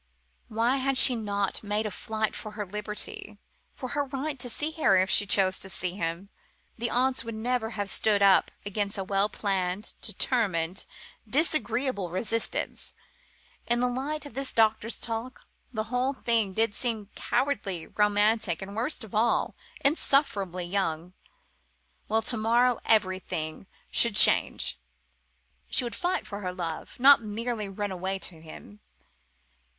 Why had she not made a fight for her liberty for her right to see Harry if she chose to see him? The aunts would never have stood up against a well planned, determined, disagreeable resistance. In the light of this doctor's talk the whole thing did seem cowardly, romantic, and, worst of all, insufferably young. Well to morrow everything should change; she would fight for her Love, not merely run away to him.